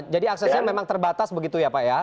jadi aksesnya memang terbatas begitu ya pak ya